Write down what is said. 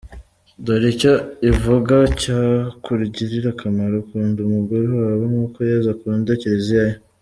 Dore icyo ivuga cyakugirira akamaro: Kunda umugore wawe nk’uko Yezu akunda Kiriziya ye.